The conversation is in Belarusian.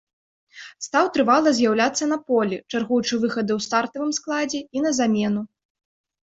Стаў трывала з'яўляцца на полі, чаргуючы выхады ў стартавым складзе і на замену.